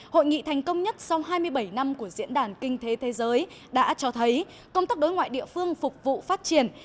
hội nghị thành công nhất sau hai mươi bảy năm của diễn đàn kinh tế thế giới đã cho thấy công tác đối ngoại địa phương phục vụ phát triển